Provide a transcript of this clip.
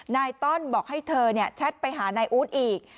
ต้อนบอกให้เธอแชทไปหานายอู๊ดอีก